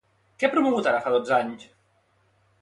Què ha promogut ara fa dotze anys?